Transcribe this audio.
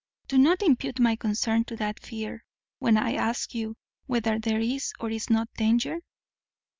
Do not impute my concern to that fear, when I ask you whether there is or is not any danger?"